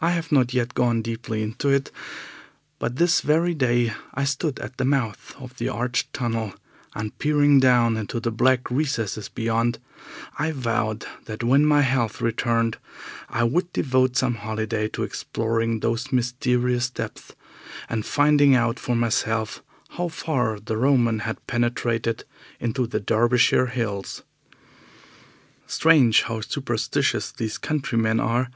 I have not yet gone deeply into it, but this very day I stood at the mouth of the arched tunnel, and peering down into the black recesses beyond, I vowed that when my health returned I would devote some holiday to exploring those mysterious depths and finding out for myself how far the Roman had penetrated into the Derbyshire hills. Strange how superstitious these countrymen are!